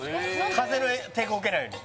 風の抵抗受けないように？